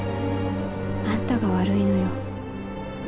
あんたが悪いのよ。